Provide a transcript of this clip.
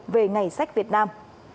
về ngày sách việt nam